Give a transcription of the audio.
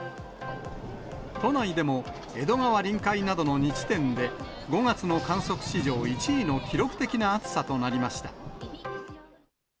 都内でも江戸川臨海などの２地点で、５月の観測史上１位の記録的な暑さとなりました。